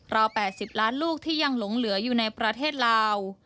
ราว๘๐ล้านลูกที่ยังหลงเหลืออยู่ในประเทศลาว